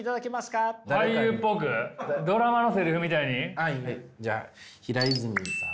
はいじゃあ平泉さん。